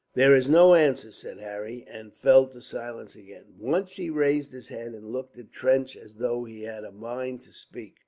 "There is no answer," said Harry, and fell to silence again. Once he raised his head and looked at Trench as though he had a mind to speak.